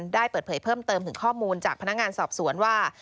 ได้เปิดเผยเพิ่มเติมถึงข้อมูลจากพนักงานสอบสวนว่า